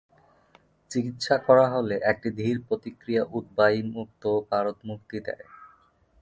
চিকিৎসা করা হলে, একটি ধীর প্রতিক্রিয়া উদ্বায়ী মুক্ত পারদ মুক্তি দেয়।